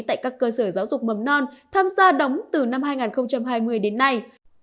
tại các cơ sở giáo dục mầm non tham gia đóng từ năm hai nghìn hai mươi đến nay